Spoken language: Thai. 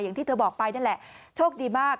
อย่างที่เธอบอกไปนั่นแหละโชคดีมาก